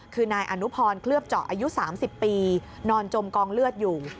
คือนายอนุพรเคลือบเจาะอายุ๓๐ปีนอนจมกองเลือดอยู่